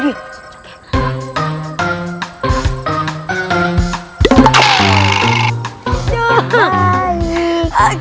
bisa beri melihat